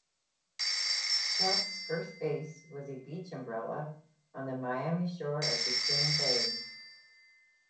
Chalk's first base was a beach umbrella on the Miami shore of Biscayne Bay.